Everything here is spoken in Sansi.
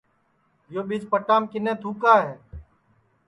یو پیچ پٹام کِنے تُھکا ہے